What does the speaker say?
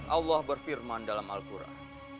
allah berfirman dalam al quran